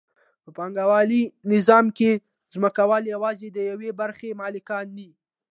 په پانګوالي نظام کې ځمکوال یوازې د یوې برخې مالکان دي